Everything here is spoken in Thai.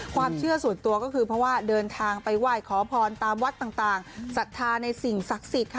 ความเชื่อส่วนตัวก็คือเพราะว่าเดินทางไปไหว้ขอพรตามวัดต่างศรัทธาในสิ่งศักดิ์สิทธิ์ค่ะ